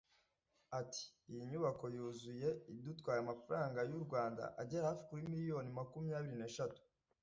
Ati “Iyi nyubako yuzuye idutwaye amafaranga y’u Rwanda agera hafi kuri Miliyoni makumyabiri n’eshatu